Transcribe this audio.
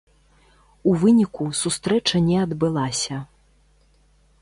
У выніку, сустрэча не адбылася.